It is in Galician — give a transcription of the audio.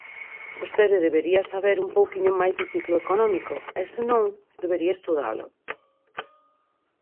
Vostede debería saber un pouquiño máis de ciclo económico, e, se non, debería estudalo.